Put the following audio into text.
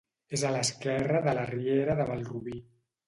És a l'esquerra de la riera de Malrubí.